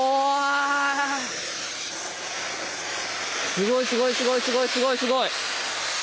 すごいすごいすごいすごいすごいすごい！